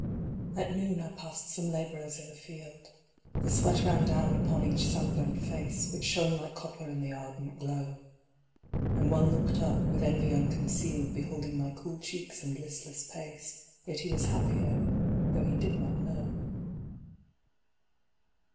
At noon I passed some labourers in a field. The sweat ran down upon each sunburnt face, Which shone like copper in the ardent glow. And one looked up, with envy unconcealed, Beholding my cool cheeks and listless pace, Yet he was happier, though he did not know.